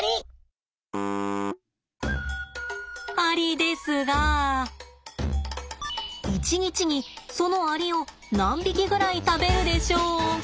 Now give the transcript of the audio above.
アリですが１日にそのアリを何匹ぐらい食べるでしょうか？